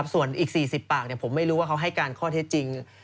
ส่วนอีก๔๐ปากผมไม่รู้ว่าเขาให้การข้อเท็จจริง